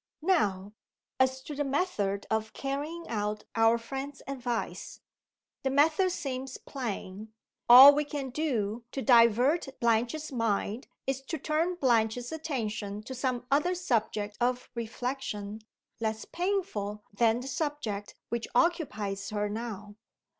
Now, as to the method of carrying out our friend's advice. The method seems plain. All we can do to divert Blanche's mind is to turn Blanche's attention to some other subject of reflection less painful than the subject which occupies her now.